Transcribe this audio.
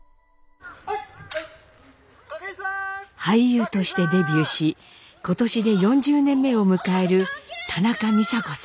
俳優としてデビューし今年で４０年目を迎える田中美佐子さん。